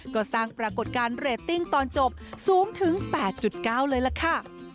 ก็สร้างปรากฏการณ์เรตติ้งตอนจบสูงถึง๘๙เลยล่ะค่ะ